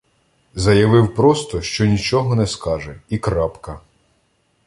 Заявив просто, що нічого не скаже, — і крапка.